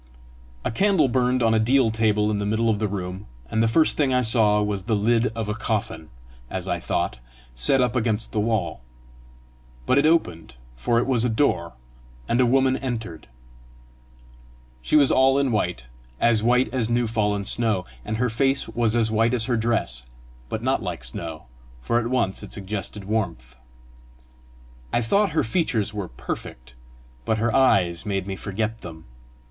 A candle burned on a deal table in the middle of the room, and the first thing I saw was the lid of a coffin, as I thought, set up against the wall; but it opened, for it was a door, and a woman entered. She was all in white as white as new fallen snow; and her face was as white as her dress, but not like snow, for at once it suggested warmth. I thought her features were perfect, but her eyes made me forget them.